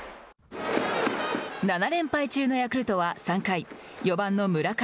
７連敗中のヤクルトは３回、４番の村上。